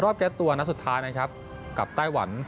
แก๊สตัวนัดสุดท้ายนะครับกับไต้หวัน